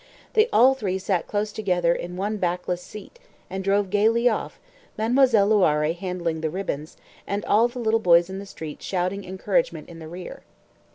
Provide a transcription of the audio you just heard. They all three sat close together on the one backless seat, and drove off gaily, Mademoiselle Loiré "handling the ribbons," and all the little boys in the street shouting encouragement in the rear.